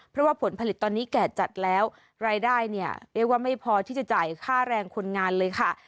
เพราะว่าผลผลิตตอนนี้แก่จัดแล้วรายได้เนี่ยเรียกว่าไม่พอที่จะจ่ายค่าแรงคนงานเลยค่ะ